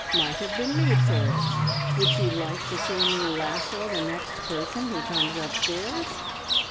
Might have been made for it. Would you like to see me lasso the next person who comes upstairs?"